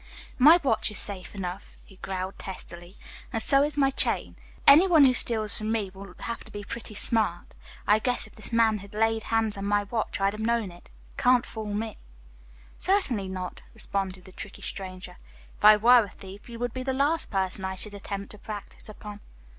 "My watch is safe enough," he growled testily, "and so is my chain. Any one who steals from me will have to be pretty smart. I guess if this man had laid hands on my watch I'd have known it. Can't fool me." "Certainly not," responded the tricky stranger. "If I were a thief you would be the last person I should attempt to practice upon."